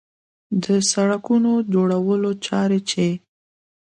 د سړکونو جوړولو چارې چې